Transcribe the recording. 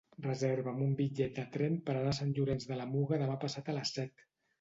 Reserva'm un bitllet de tren per anar a Sant Llorenç de la Muga demà passat a les set.